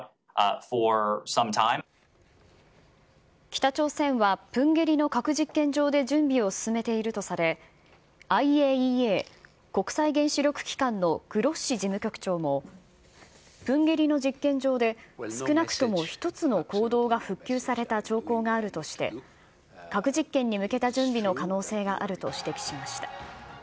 北朝鮮はプンゲリの核実験場で準備を進めているとされ、ＩＡＥＡ・国際原子力機関のグロッシ事務局長も、プンゲリの実験場で、少なくとも一つの坑道が復旧された兆候があるとして核実験に向けた準備の可能性があると指摘しました。